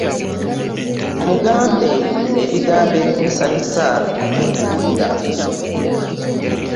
Mugambe ebigambo ebimusayusa okuwulira.